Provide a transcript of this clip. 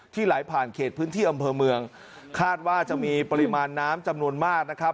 ไหลผ่านเขตพื้นที่อำเภอเมืองคาดว่าจะมีปริมาณน้ำจำนวนมากนะครับ